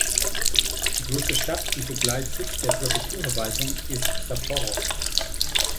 Die größte Stadt und zugleich Sitz der Präfekturverwaltung ist Sapporo.